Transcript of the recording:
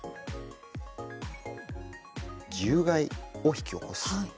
獣害を引き起こす。